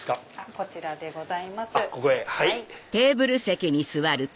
こちらでございます。